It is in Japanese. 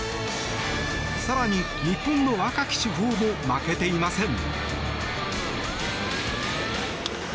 更に、日本の若き主砲も負けていません。